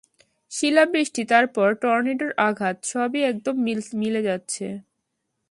শিলাবৃষ্টি, তারপর টর্নেডোর আঘাত, সবই একদম মিলে যাচ্ছে!